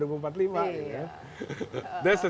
itu adalah tantangan